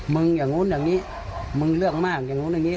อย่างนู้นอย่างนี้มึงเลือกมากอย่างนู้นอย่างนี้